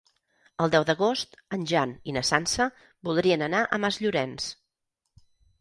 El deu d'agost en Jan i na Sança voldrien anar a Masllorenç.